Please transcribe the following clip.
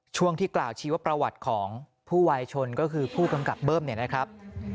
ช่วงที่กล่าวชีวประวัติของผู้วายชนก็คือผู้กำกับเบิ้มเนี่ยนะครับ